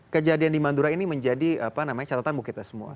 kejadian di madura ini menjadi catatan buat kita semua